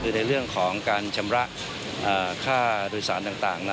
ในเรื่องของการชำระค่าโดยสารต่าง